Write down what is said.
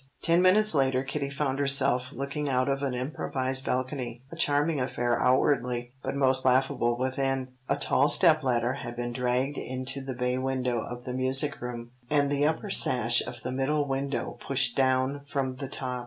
Ten minutes later Kitty found herself looking out of an improvised balcony, a charming affair outwardly, but most laughable within. A tall step ladder had been dragged into the bay window of the music room, and the upper sash of the middle window pushed down from the top.